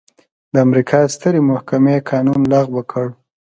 د امریکا سترې محکمې قانون لغوه کړ.